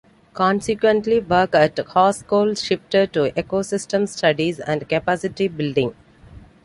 Consequently, work at Hovsgol shifted to ecosystem studies and capacity building.